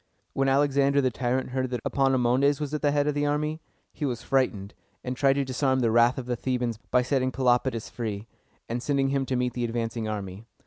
When Alexander the tyrant heard that Epaminondas was at the head of the army, he was frightened, and tried to disarm the wrath of the Thebans by setting Pelopidas free, and sending him to meet the advancing army.